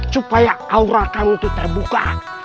supaya aura kami itu terbuka